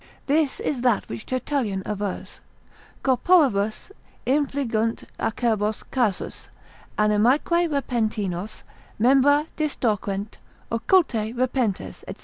This is that which Tertullian avers, Corporibus infligunt acerbos casus, animaeque repentinos, membra distorquent, occulte repentes, &c.